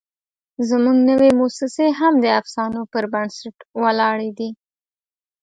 زموږ نوې موسسې هم د افسانو پر بنسټ ولاړې دي.